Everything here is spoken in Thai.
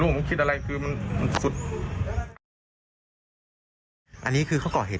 อิ่มกลืนอะไรประมาณนี้อย่างนี้